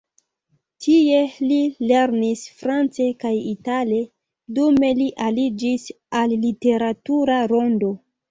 Tie li lernis france kaj itale, dume li aliĝis al literatura rondo.